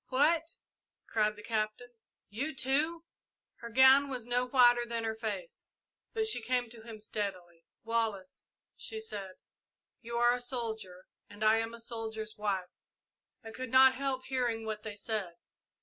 "What!" cried the Captain; "you, too?" Her gown was no whiter than her face, but she came to him steadily. "Wallace," she said, "you are a soldier, and I am a soldier's wife. I could not help hearing what they said.